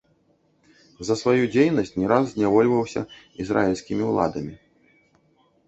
За сваю дзейнасць не раз знявольваўся ізраільскімі ўладамі.